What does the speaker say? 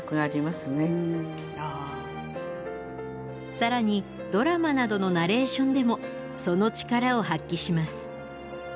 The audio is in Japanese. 更にドラマなどのナレーションでもその力を発揮します。